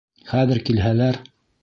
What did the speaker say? Хәҙер килһәләр...